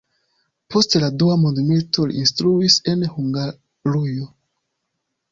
Post la dua mondmilito li instruis en Hungarujo.